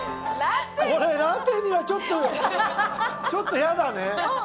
これラテにはちょっとちょっと嫌だね。